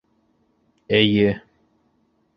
—Эйе.